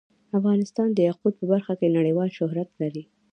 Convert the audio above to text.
افغانستان د یاقوت په برخه کې نړیوال شهرت لري.